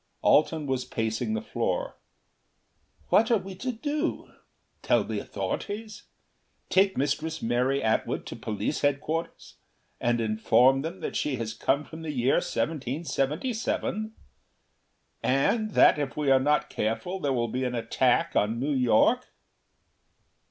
Alten was pacing the floor. "What are we to do tell the authorities? Take Mistress Mary Atwood to Police Headquarters and inform them that she has come from the year 1777? And that, if we are not careful, there will be an attack upon New York?"